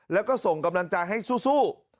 แล้วก็ส่งกำลังใจให้สู้